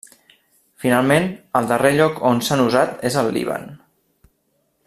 Finalment, el darrer lloc on s'han usat és al Líban.